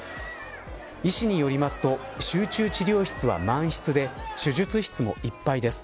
医師によりますと集中治療室は満室で手術室もいっぱいです。